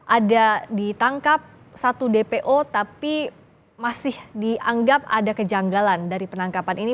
ada ditangkap satu dpo tapi masih dianggap ada kejanggalan dari penangkapan ini